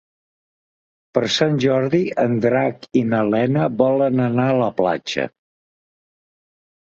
Per Sant Jordi en Drac i na Lena volen anar a la platja.